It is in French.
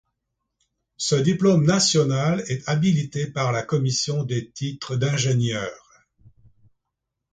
Ce diplôme national est habilité par la Commission des Titres d'Ingénieur.